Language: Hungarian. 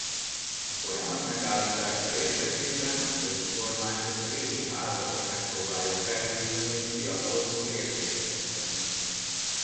A folyamat megállítása érdekében az önkormányzat a régi házakat megpróbálja felújítani és fiataloknak értékesíteni.